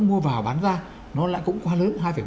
mua vào bán ra nó lại cũng quá lớn